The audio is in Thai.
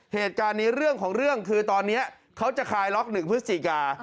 เหตุการณ์นี้เรื่องของเรื่องคือตอนนี้เขาจะคลายล็อก๑พฤศจิกา